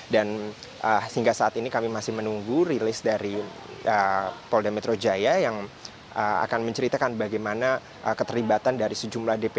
dan sehingga saat ini kami masih menunggu rilis dari polda metro jaya yang akan menceritakan bagaimana keterlibatan dari sejumlah dpo